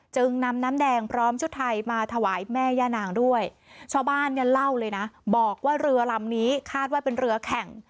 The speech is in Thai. จึงนำน้ำแดงพร้อมชุดไทยมาถวายแม่ย่านางด้วยชาวบ้านเนี่ยเล่าเลยนะบอกว่าเรือลำนี้คาดว่าเป็นเรือแข่ง